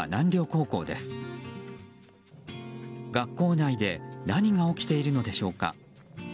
学校内で何が起きているのでしょうか。